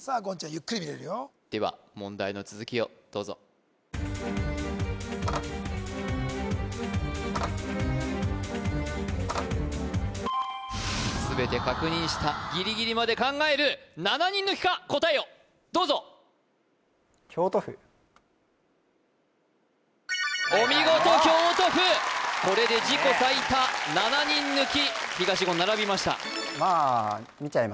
ゆっくり見れるよでは問題の続きをどうぞすべて確認したギリギリまで考える７人抜きか答えをどうぞお見事京都府これで自己最多７人抜き東言並びました